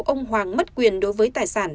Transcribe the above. ông hoàng mất quyền đối với tài sản